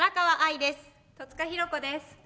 戸塚寛子です。